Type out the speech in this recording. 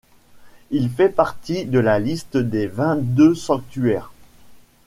Il fait partie de la liste des vingt-deux sanctuaires.